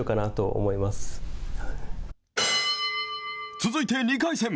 続いて２回戦。